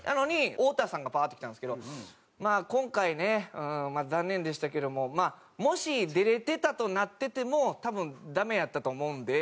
太田さんがパーッと来たんですけど「今回ね残念でしたけどももし出れてたとなってても多分ダメやったと思うんで」。